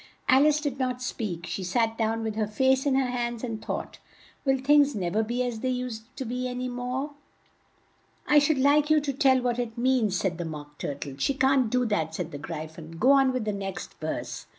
Al ice did not speak; she sat down with her face in her hands, and thought, "Will things nev er be as they used to an y more?" "I should like you to tell what it means," said the Mock Tur tle. "She can't do that," said the Gry phon. "Go on with the next verse."